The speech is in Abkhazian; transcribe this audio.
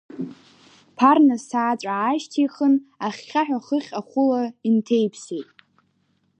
Ԥарна сааҵәа аашьҭихын, ахьхьаҳәа хыхь ахәыла инҭеиԥсеит.